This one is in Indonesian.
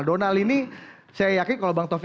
donal ini saya yakin kalau bang taufik